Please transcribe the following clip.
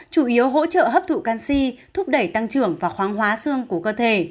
chủ yếu hỗ trợ hấp thụ canxi thúc đẩy tăng trưởng và khoáng hóa xương của cơ thể